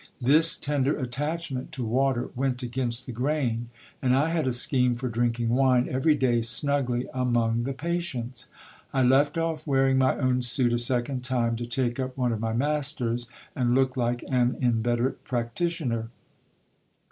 This tender attachment to water went against the grain, and I had a scheme for drinking wine every day snugly among the patients. I left off wearing my own suit a second time, to take up one of my master's, and look like an inveterate practitioner.